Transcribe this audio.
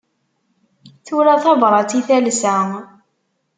Tura tabrat i talsa.